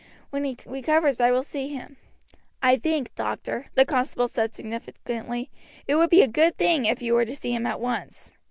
When he recovers I will see him." "I think, doctor," the constable said significantly, "it would be a good thing if you were to see him at once.